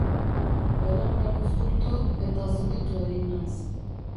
Belaunak uzkurtu, eta zutitu egin naiz.